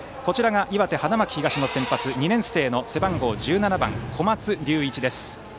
岩手・花巻東の先発は２年生の背番号１７番小松龍一です。